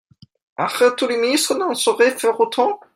Tous les ministres n'en sauraient faire autant.